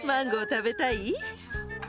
食べたい？